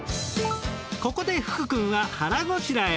ここで福くんは腹ごしらえ。